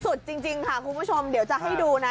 สุดจริงค่ะคุณผู้ชมเดี๋ยวจะให้ดูนะ